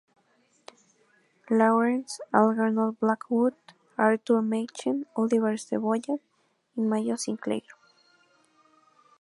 Lawrence, Algernon Blackwood, Arthur Machen, Oliver Cebollas, y mayo Sinclair.